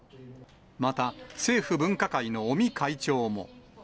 また、政府分科会の尾身会長も。